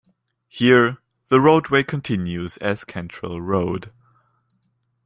Here, the roadway continues as Cantrell Road.